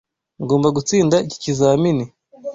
Ngomba gutsinda iki kizamini.